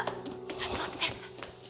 ちょっと待ってて！